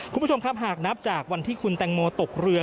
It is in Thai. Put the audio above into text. คุณผู้ชมครับหากนับจากวันที่คุณแตงโมตกเรือ